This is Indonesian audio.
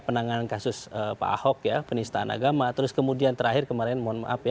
penanganan kasus pak ahok ya penistaan agama terus kemudian terakhir kemarin mohon maaf ya